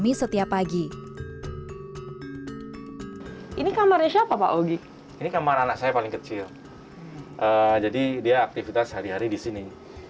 ini kamarnya siapa pak wogi ini kamar anak saya paling kecil jadi dia aktivitas hari hari di sini